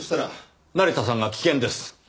成田さんが危険です！